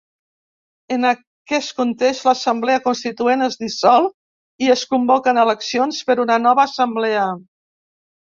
En aquest context, l'Assemblea Constituent es dissol i es convoquen eleccions per una nova Assemblea.